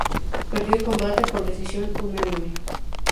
Perdió el combate por decisión unánime.